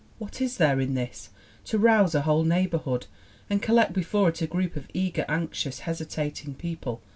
What is there in this to rouse a whole neighborhood and collect before it a group of eager, anxious, hesi tating people?